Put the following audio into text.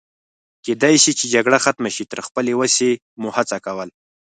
کېدای شي چې جګړه ختمه شي، تر خپلې وسې مو هڅه کول.